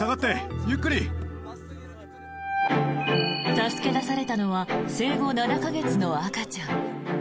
助け出されたのは生後７か月の赤ちゃん。